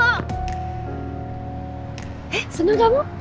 eh senang kamu